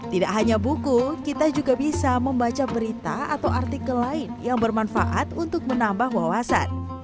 tidak hanya buku kita juga bisa membaca berita atau artikel lain yang bermanfaat untuk menambah wawasan